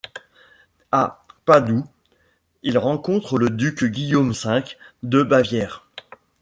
À Padoue, il rencontre le duc Guillaume V de Bavière.